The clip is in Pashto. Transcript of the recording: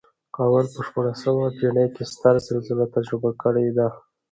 کابل په شپاړسمه پېړۍ کې ستره زلزله تجربه کړې ده.